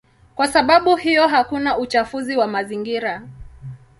Kwa sababu hiyo hakuna uchafuzi wa mazingira.